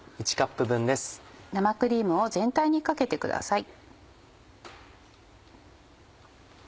生クリームを全体にかけてください。